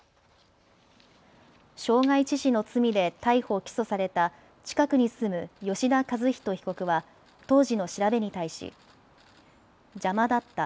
傷害致死の罪で逮捕・起訴された近くに住む、吉田和人被告は当時の調べに対し邪魔だった。